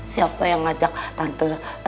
siapa yang ajak tante